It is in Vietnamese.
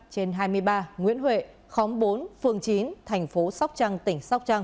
trên hai mươi ba nguyễn huệ khóm bốn phường chín thành phố sóc trăng tỉnh sóc trăng